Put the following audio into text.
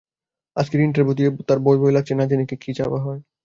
আজকের ইন্টারভ্যু দিয়েই তাঁর ভয়ভয় লাগছে, না-জানি কী ছাপা হয়!